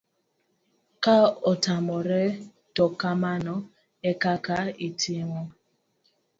ka otamore to kamano ekaka itimo